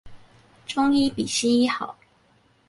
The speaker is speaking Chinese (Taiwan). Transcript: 中醫比西醫好